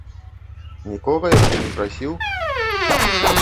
Нікога яшчэ не прасіў?